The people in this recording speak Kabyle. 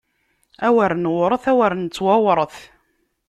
Awer newṛet, awer nettewṛet!